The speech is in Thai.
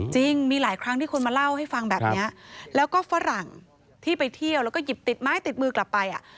จริงมีหลายครั้งที่คนมาเล่าให้ฟังแบบนี้แล้วก็ฝรั่งที่ไปเที่ยวแล้วก็หยิบติดไม้ติดมือกลับไปอ่ะ